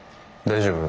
大丈夫？